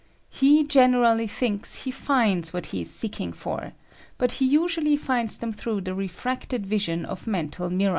He generally thinks he finds what he is seeking for, but he usually finds them through the refracted vision of mental mirage.